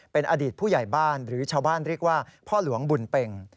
เป็นอดีตผู้ใหญ่บ้านหรือชาวบ้านเรียกว่าพ่อหลวงบุญเป็ง